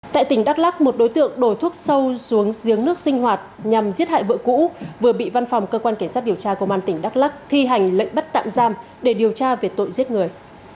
tại tỉnh đắk lắc một đối tượng đổ thuốc sâu xuống giếng nước sinh hoạt nhằm giết hại vợ cũ vừa bị văn phòng cơ quan cảnh sát điều tra công an tỉnh đắk lắc thi hành lệnh bắt tạm giam để điều tra về tội giết người